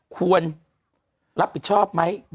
ควรรับผิดชอบไหม